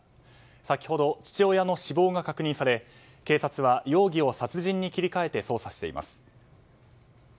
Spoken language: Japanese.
先ほど父親の死亡が確認され警察は容疑を殺人に切り替えて捜査しています。